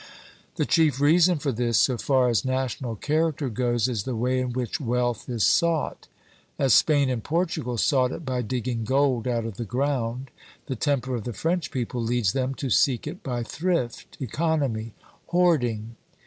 The chief reason for this, so far as national character goes, is the way in which wealth is sought. As Spain and Portugal sought it by digging gold out of the ground, the temper of the French people leads them to seek it by thrift, economy, hoarding.